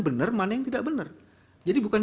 benar mana yang tidak benar jadi bukan